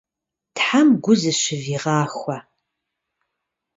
Тхьэм гу зэщывигъахуэ.